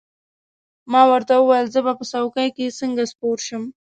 ما ورته وویل: زه به په څوکۍ کې څنګه سپور شم؟